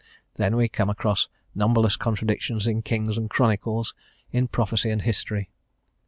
Then we come across numberless contradictions in Kings and Chronicles, in prophecy and history.